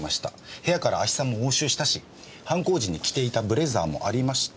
部屋から亜ヒ酸も押収したし犯行時に着ていたブレザーもありました。